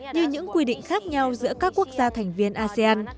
như những quy định khác nhau giữa các quốc gia thành viên asean